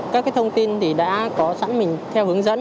các thông tin thì đã có sẵn mình theo hướng dẫn